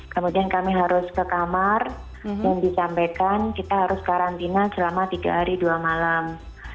kemudian kami harus ke kamar dan disampaikan kita harus karantina selama tiga hari dua malam